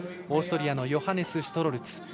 オーストリアのヨハネス・シュトロルツ。